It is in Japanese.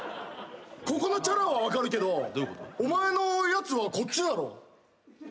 ここのチャラは分かるけどお前のやつはこっちだろ？